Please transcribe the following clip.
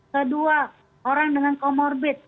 kedua orang dengan comorbid